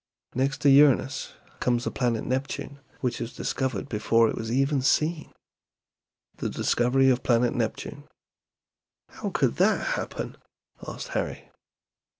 Next to Uranus comes the planet Neptune, which was discovered before it was ever seen." THE DISCOVERY OF PLANET NEPTUNE. "How could that happen?" asked Harry.